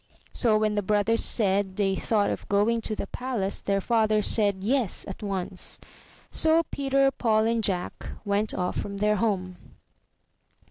So when the brothers said they thought of going to the palace, their father said ''yes" at once. So Peter, Paul, and Jack went off from their home.